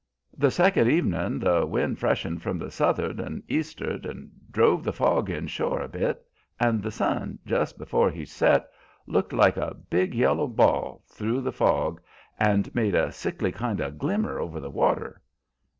The second evenin' the wind freshened from the south'ard and east'ard and drove the fog in shore a bit, and the sun, just before he set, looked like a big yellow ball through the fog and made a sickly kind of a glimmer over the water.